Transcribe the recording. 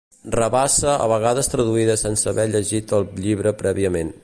Rabassa a vegades traduïa sense haver llegit el llibre prèviament.